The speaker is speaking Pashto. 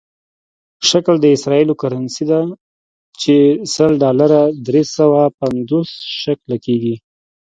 شکل د اسرائیلو کرنسي ده چې سل ډالره درې سوه پنځوس شکله کېږي.